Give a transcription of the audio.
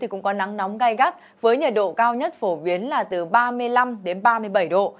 cũng có nắng nóng gai gắt với nhiệt độ cao nhất phổ biến là từ ba mươi năm đến ba mươi bảy độ